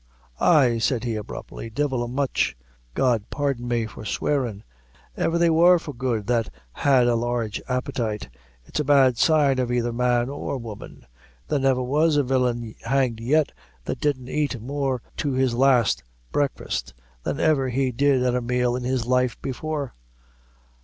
"Ay," said he, abruptly, "divil a much God pardon me for swearin' ever they wor for good that had a large appetite. It's a bad sign of either man or woman. There never was a villain hanged yet that didn't ait more to his last breakfast than ever he did at a meal in his life before.